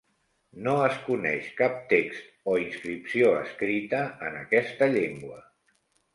No es coneix cap text o inscripció escrita en aquesta llengua.